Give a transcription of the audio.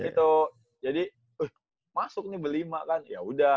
gitu jadi masuk nih belima kan yaudah